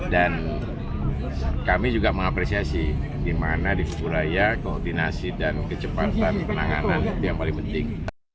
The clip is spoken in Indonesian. dan kami juga mengapresiasi di mana di kuburaya koordinasi dan kecepatan penanganan itu yang paling penting